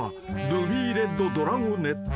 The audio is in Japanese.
ルビーレッドドラゴネット。